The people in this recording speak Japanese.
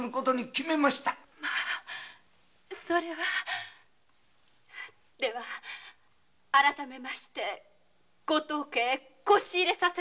まあそれは。では改めましてご当家へ「こし入れ」させて頂きます。